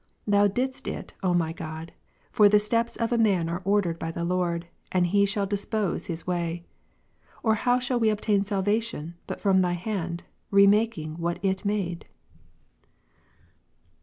Thou didst it, O my God : for the steps of a man 23. ' are ordered hij the Lord, and He shall dispose his ivaij. Or how shall we obtain salvation, but from Thy hand, re making what It made